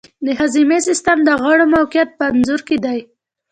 د هاضمې سیستم د غړو موقیعت په انځور کې دی.